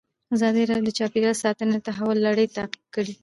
ازادي راډیو د چاپیریال ساتنه د تحول لړۍ تعقیب کړې.